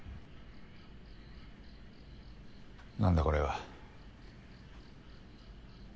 何だこれは？